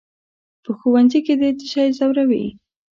"په ښوونځي کې دې څه شی ځوروي؟"